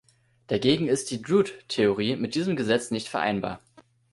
Dagegen ist die Drude-Theorie mit diesem Gesetz nicht vereinbar.